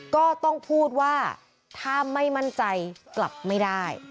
ก็ต้องพูดว่าถ้าไม่มั่นใจกลับไม่ได้